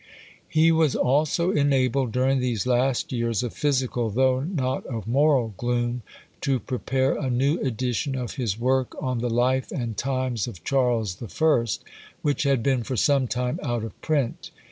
He was also enabled during these last years of physical, though not of moral, gloom, to prepare a new edition of his work on the Life and Times of Charles the First, which had been for some time out of print.